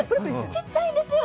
ちっちゃいんですよ。